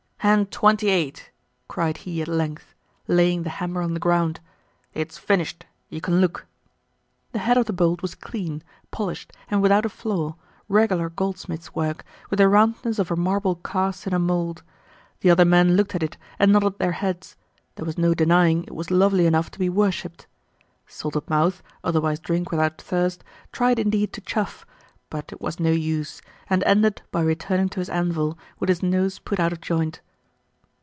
"And twenty eight!" cried he at length, laying the hammer on the ground. "It's finished; you can look." The head of the bolt was clean, polished, and without a flaw, regular goldsmith's work, with the roundness of a marble cast in a mold. The other men looked at it and nodded their heads; there was no denying it was lovely enough to be worshipped. Salted Mouth, otherwise Drink without Thirst, tried indeed to chuff; but it was no use, and ended by returning to his anvil, with his nose put out of joint.